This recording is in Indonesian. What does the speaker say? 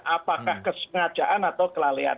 apakah kesengajaan atau kelalaian